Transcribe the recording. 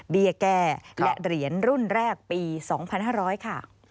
แก้และเหรียญรุ่นแรกปี๒๕๐๐ค่ะ